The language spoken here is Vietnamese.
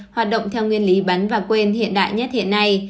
hoạt động theo nguyên lý bắn và quên hiện đại nhất hiện nay